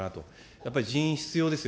やっぱり人員必要ですよ。